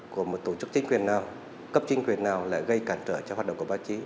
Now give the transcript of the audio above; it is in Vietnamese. của một tổ chức chính quyền nào cấp chính quyền nào lại gây cản trở cho hoạt động của báo chí